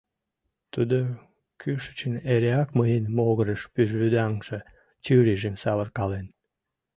Тудо кӱшычын эреак мыйын могырыш пӱжвӱдаҥше чурийжым савыркален.